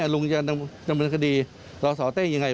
ลุงจะดำเนินคดีสสเต้ยังไง